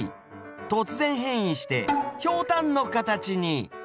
突然変異してひょうたんの形に。